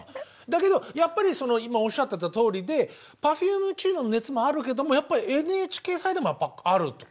だけどやっぱりその今おっしゃってたとおりでＰｅｒｆｕｍｅチームの熱もあるけどもやっぱりＮＨＫサイドもやっぱあるって。